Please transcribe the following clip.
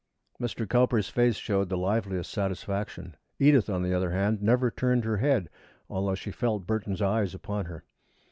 Mr. Cowper's face showed the liveliest satisfaction. Edith, on the other hand, never turned her head, although she felt Burton's eyes upon her.